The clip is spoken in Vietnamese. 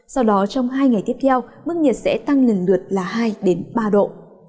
sau đó trong hai ngày tiếp theo mức nhiệt sẽ tăng lần lượt là hai ba độ